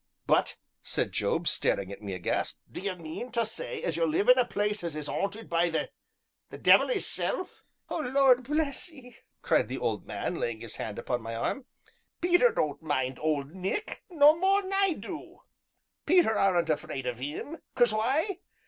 "But," said Job, staring at me aghast, "do 'ee mean to say as you live in a place as is 'aunted by the devil 'isself?" "Oh, Lord bless 'ee!" cried the old man, laying his hand upon my arm, "Peter don't mind Old Nick no more 'n I do Peter aren't afeard of 'im. 'Cause why?